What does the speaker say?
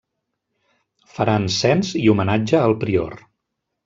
Faran cens i homenatge al prior.